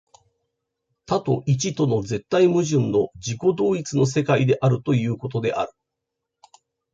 多と一との絶対矛盾の自己同一の世界であるということである。